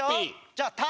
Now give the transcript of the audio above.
じゃあ「た」。